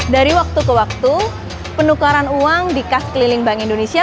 dari waktu ke waktu penukaran uang di kas keliling bank indonesia